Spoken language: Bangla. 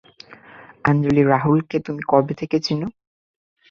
আঞ্জলি রাহুলকে তুমি কবে থেকে চিনো?